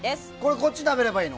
こっち食べればいいの？